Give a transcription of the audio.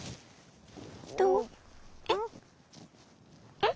えっ？